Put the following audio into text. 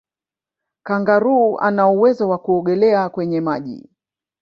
kangaroo ana uwezo wa kuogelea kwenye maji